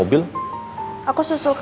belum masuk masuk ya